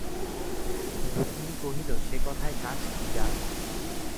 রুক্মিণী কহিল, সে-কথায় কাজ কী গা!